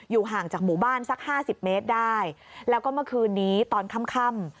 ห่างจากหมู่บ้านสักห้าสิบเมตรได้แล้วก็เมื่อคืนนี้ตอนค่ำ